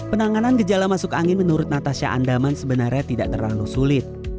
penanganan gejala masuk angin menurut natasha andaman sebenarnya tidak terlalu sulit